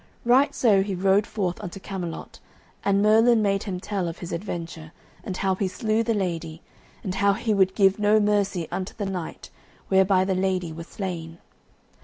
Right so he rode forth unto Camelot, and Merlin made him tell of his adventure, and how he slew the lady, and how he would give no mercy unto the knight, whereby the lady was slain.